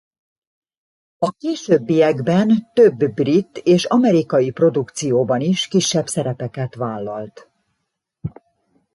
A későbbiekben több brit és amerikai produkcióban is kisebb szerepeket vállalt.